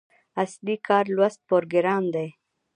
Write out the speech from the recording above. اصلي کار لوست پروګرام دی.